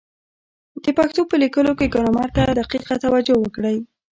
د پښتو په لیکلو کي ګرامر ته دقیقه توجه وکړئ!